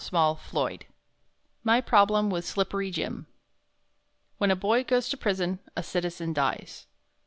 MY PROBLEM WITH SLIPPERY JIM "When a boy goes to prison, a citizen dies."